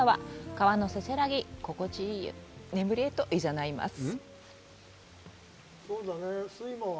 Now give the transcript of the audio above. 川のせせらぎが心地よい眠りへと誘います。